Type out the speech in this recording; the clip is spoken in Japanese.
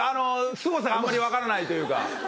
すごさがあんまり分からないというか。